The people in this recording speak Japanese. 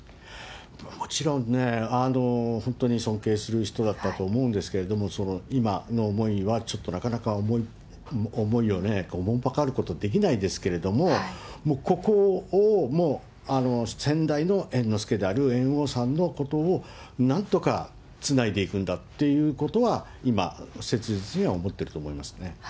もちろんね、本当に尊敬する人だったと思うんですけれども、今の思いはちょっとなかなか思いをね、おもんぱかることできないんですけれども、ここをもう先代の猿之助である猿翁さんのことを、なんとかつないでいくんだってことは今、切実に思っていると思いますね。